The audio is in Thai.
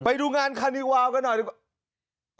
ไปดูงานคานิวาลกันหน่อยดีกว่า